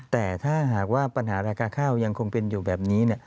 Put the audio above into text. แต่ถ้าหากว่าปัญหาราคาข้าวยังคงเป็นอยู่แบบนี้